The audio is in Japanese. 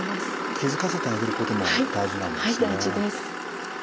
気付かせてあげることも大事なんですね。